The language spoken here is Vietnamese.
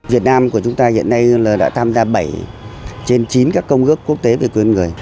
việt nam của chúng ta hiện nay đã tham gia bảy trên chín các công ước quốc tế về quyền người